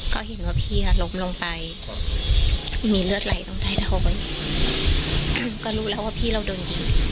ก็เห็นว่าพี่น่ะล้มลงไปมีเลือดไหลตรงท้ายท้อยคือก็รู้แล้วว่าพี่เราโดนยิง